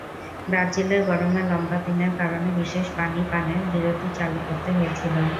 ব্রাজিলের গরমে লম্বা দিনের কারণে বিশেষ পানি পানের বিরতি চালু করতে হয়েছিল।